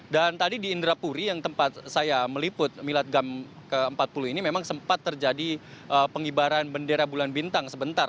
dan tadi di indrapuri yang tempat saya meliput milad gam ke empat puluh ini memang sempat terjadi pengibaran bendera bulan bintang sebentar